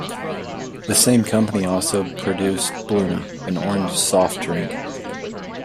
The same company also produced Bluna, an orange soft drink.